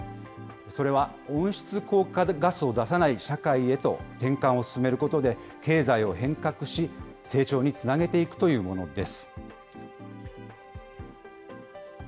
それは温室効果ガスを出さない社会へと転換を進めることで、経済を変革し、成長につなげていくというものです。